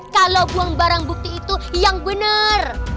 kalau buang barang bukti itu yang benar